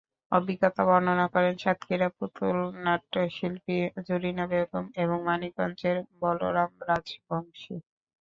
অভিজ্ঞতা বর্ণনা করেন সাতক্ষীরার পুতুল নাট্যশিল্পী জরিনা বেগম এবং মানিকগঞ্জের বলরাম রাজবংশী।